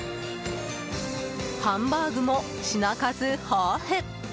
ハンバーグも品数豊富！